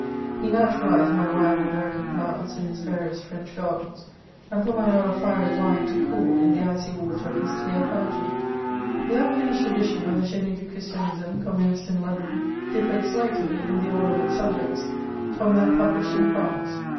He naturalised my wild American flowers in his various French gardens, and put my rather fiery wine to cool in the icy water of his clear fountain. The unfinished edition of the Ginie du CTiristianiitne, com menced in London, di£Pered slightly, in the order of its subjects, from that published in France.